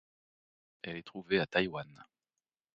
Elle est trouvée à Taïwan.